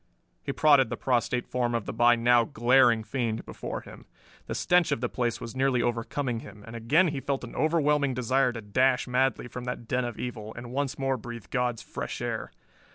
He prodded the prostrate form of the by now glaring fiend before him. The stench of the place was nearly overcoming him, and again he felt an overwhelming desire to dash madly from that den of evil, and once more breathe God's fresh air.